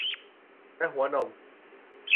และหัวนม